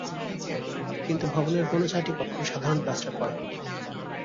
কিন্তু ভবনের কোন চারটি কক্ষ সাধারণ প্লাস্টার করা।